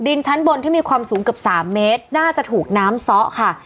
ชั้นบนที่มีความสูงเกือบ๓เมตรน่าจะถูกน้ำซ้อค่ะ